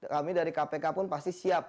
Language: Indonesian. kami dari kpk pun pasti siap